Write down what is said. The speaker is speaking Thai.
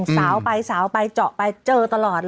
สาวไปสาวไปเจาะไปเจอตลอดเลย